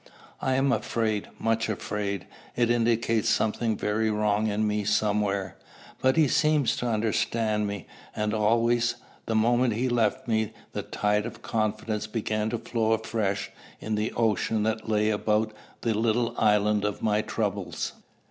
I am afraid, much afraid, it indicates something very wrong in me somewhere. But he seemed to understand me; and always, the moment he left me, the tide of confidence began to flow afresh in the ocean that lay about the little island of my troubles.